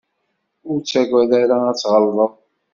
Ur ttagad ara ad tɣelḍeḍ.